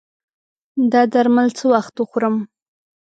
دا درمل څه وخت وخورم؟